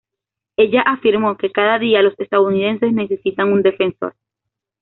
Ella afirmó que: "Cada día, los estadounidenses necesitan un defensor.